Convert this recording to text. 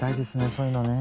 そういうのね。